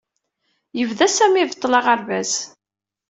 Yebda Sami ibeṭṭel aɣerbaz.